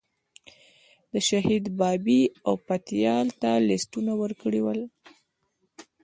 د شهید بابی او پتیال ته لیستونه ورکړي ول.